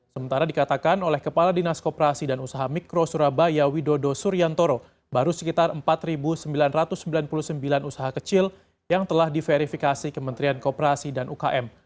sementara dikatakan oleh kepala dinas koperasi dan usaha mikro surabaya widodo suryantoro baru sekitar empat sembilan ratus sembilan puluh sembilan usaha kecil yang telah diverifikasi kementerian kooperasi dan ukm